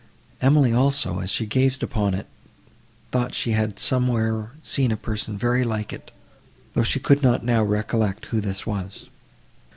Emily also, as she gazed upon it, thought that she had somewhere seen a person very like it, though she could not now recollect who this was.